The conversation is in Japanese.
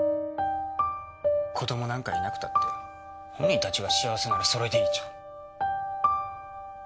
子どもなんかいなくたって本人たちが幸せならそれでいいじゃん。